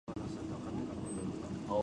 こっちこい